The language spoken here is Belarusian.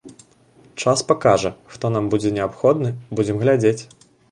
Час пакажа, хто нам будзе неабходны, будзем глядзець.